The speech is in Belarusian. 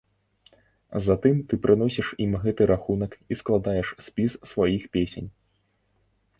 Затым ты прыносіш ім гэты рахунак і складаеш спіс сваіх песень.